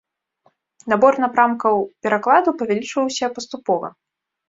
Набор напрамкаў перакладу павялічваўся паступова.